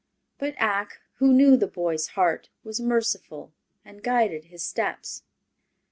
But Ak, who knew the boy's heart, was merciful and guided his steps.